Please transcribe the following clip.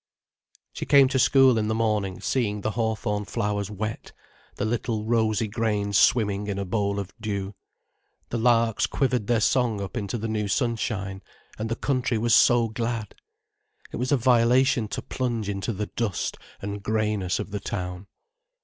She came to school in the morning seeing the hawthorn flowers wet, the little, rosy grains swimming in a bowl of dew. The larks quivered their song up into the new sunshine, and the country was so glad. It was a violation to plunge into the dust and greyness of the town.